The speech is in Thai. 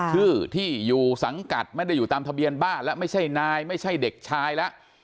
ชื่อที่อยู่สังกัดไม่ได้อยู่ตามทะเบียนบ้านแล้วไม่ใช่นายไม่ใช่เด็กชายแล้ว